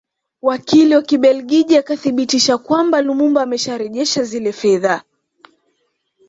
Wakili wa Kibelgiji akathibitisha kwamba Lumumba amesharejesha zile fedha